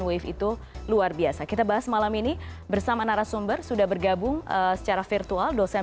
wave itu luar biasa kita bahas malam ini bersama narasumber sudah bergabung secara virtual dosen